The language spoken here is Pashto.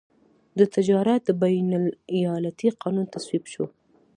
د تجارت د بین الایالتي قانون تصویب شو.